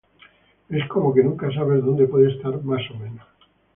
Es como que nunca sabes donde puede estar más o menos.